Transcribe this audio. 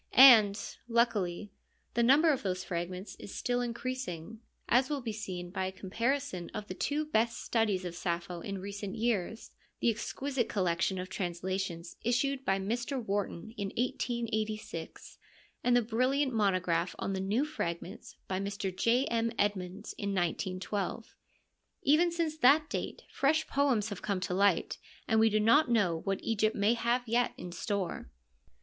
And, luckily, the number of those fragments is still increasing, as will be seen by a comparison of the two best studies of Sappho in recent years, the exquisite collection of translations issued by Mr. Wharton in 1886, and the brilliant monograph on the new fragments by Mr. J. M. Edmonds in 1912. Even since that date fresh poems have come to light, and we do not know what Egypt may have yet in store.